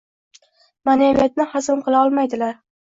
Maʼnaviyatni hazm qila olmaydilar